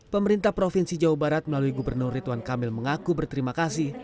pemerintah provinsi jawa barat melalui gubernur ridwan kamil mengaku berterima kasih